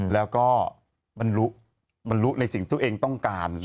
แล้วก็มันรู้ในสิ่งที่ทุกเองต้องการ